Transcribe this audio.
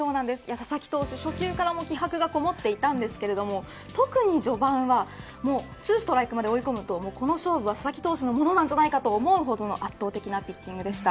佐々木投手、初球から気迫がこもっていたんですけれど特に序盤は、２ストライクまで追い込むと、この勝負は佐々木投手のものなんじゃないかと思うほど圧倒的なピッチングでした。